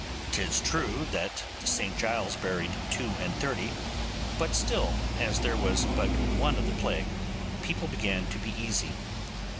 'Tis true St Giles's buried two and thirty, but still, as there was but one of the plague, people began to be easy.